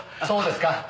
そうですか。